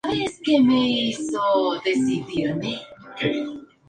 Entre los socios regionales de Cayman Airways se encuentran Cayman Airways Express.